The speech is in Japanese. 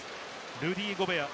ルディ・ゴベア。